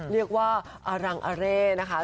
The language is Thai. เรียกว่าอรังอาเร่นะคะ